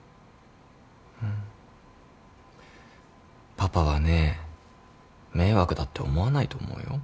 パパはね迷惑だって思わないと思うよ。